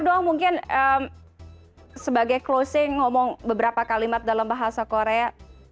doang mungkin sebagai closing ngomong beberapa kalimat dalam bahasa korea